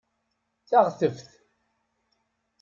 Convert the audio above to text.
Taɣteft